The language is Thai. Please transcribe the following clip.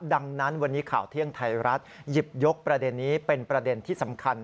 ดังนั้นวันนี้ข่าวเที่ยงไทยรัฐหยิบยกประเด็นนี้เป็นประเด็นที่สำคัญ